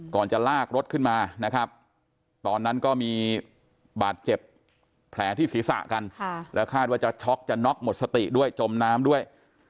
จะลากรถขึ้นมานะครับตอนนั้นก็มีบาดเจ็บแผลที่ศีรษะกันแล้วคาดว่าจะช็อกจะน็อกหมดสติด้วยจมน้ำด้วย